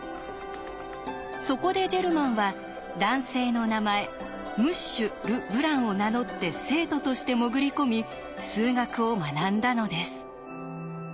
そこでジェルマンは男性の名前ムッシュル・ブランを名乗って生徒として潜り込み数学を学んだのです。